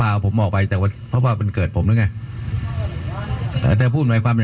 นั่นบอกยุบพรุ่งนี้ก็แล้วกัน